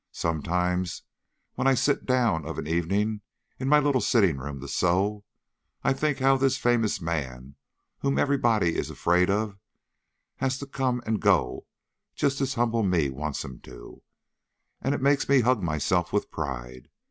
Sometimes, when I sit down of an evening in my little sitting room to sew, I think how this famous man whom everybody is afraid of has to come and go just as humble me wants him to; and it makes me hug myself with pride.